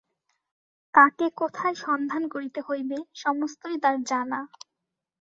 কাকে কোথায় সন্ধান করিতে হইবে, সমস্তই তার জানা।